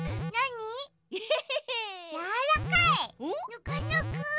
ぬくぬく！